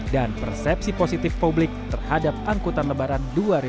dan persepsi positif publik terhadap angkutan lebaran dua ribu dua puluh tiga